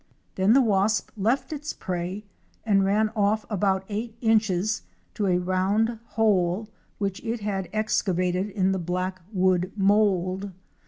Then the wasp left its prey and ran off about eight inches to a round hole which it had excavated in the black wood mould.